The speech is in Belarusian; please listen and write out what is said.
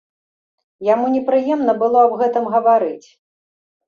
Яму непрыемна было аб гэтым гаварыць.